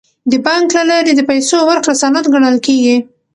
د بانک له لارې د پیسو ورکړه سند ګڼل کیږي.